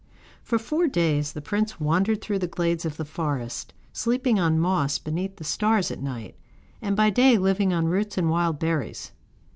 For four days the prince wandered through the glades of the forest, sleeping on moss beneath the stars at night, and by day living on roots and wild berries.